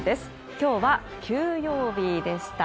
今日は休養日でした。